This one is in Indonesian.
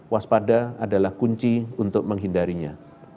waspada adalah kunci untuk menghindarinya